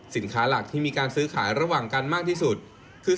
สินค้าหลักที่มีการซื้อขายระหว่างกันมากที่สุดคือ